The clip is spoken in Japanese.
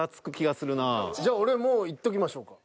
じゃあ俺もういっときましょうか。